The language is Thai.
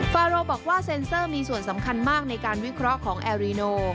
ฟาโรบอกว่าเซ็นเซอร์มีส่วนสำคัญมากในการวิเคราะห์ของแอรีโน